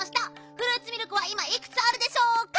フルーツミルクはいまいくつあるでしょうか？」。